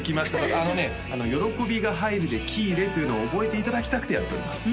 あのね喜びが入るで「きいれ」というのを覚えていただきたくてやっております